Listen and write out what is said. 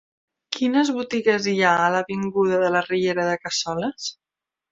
Quines botigues hi ha a l'avinguda de la Riera de Cassoles?